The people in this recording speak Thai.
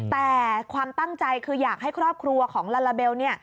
แต่ความตั้งใจคืออยากให้ครอบครัวของลาลาเบล